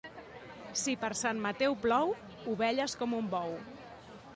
Si per Sant Mateu plou, ovelles com un bou.